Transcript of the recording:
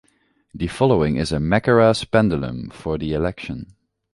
The following is a Mackerras pendulum for the election.